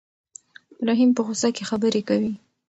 رحیم په غوسه کې خبرې کوي.